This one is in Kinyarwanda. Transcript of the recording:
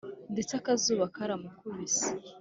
ndetse akazuba karamukubise,